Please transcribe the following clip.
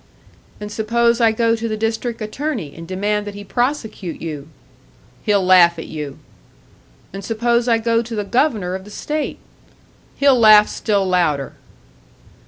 "And suppose I go to the District Attorney and demand that he prosecute you?" "He'll laugh at you." "And suppose I go to the Governor of the state?" "He'll laugh still louder."